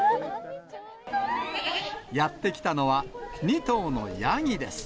やって来たのは、２頭のヤギです。